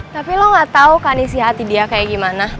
tapi lo gak tau kanisih hati dia kayak gimana